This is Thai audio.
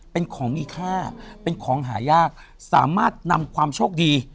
เป็นของมีค่าเป็นของหายากสามารถนำความโชคดี